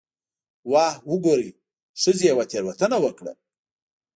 'واه وګورئ، ښځې یوه تېروتنه وکړه'.